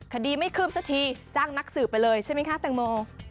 คดีไม่คืบสักทีจ้างนักสืบไปเลยใช่ไหมคะแตงโม